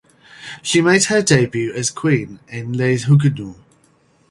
She made her debut as queen in "Les Huguenots".